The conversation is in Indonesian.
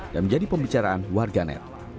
dan menjadi pembicaraan warganet